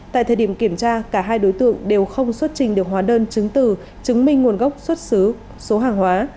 tại thời điểm kiểm tra cả hai đối tượng đều không xuất trình được hóa đơn chứng từ chứng minh nguồn gốc xuất xứ số hàng hóa